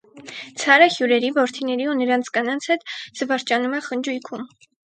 Ցարը հյուրերի, որդիների ու նրանց կանանց հետ զվարճանում է խնջույքում։